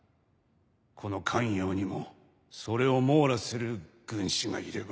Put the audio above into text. この咸陽にもそれを網羅する軍師がいれば。